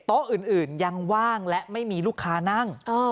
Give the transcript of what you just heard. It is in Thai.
อื่นยังว่างและไม่มีลูกค้านั่ง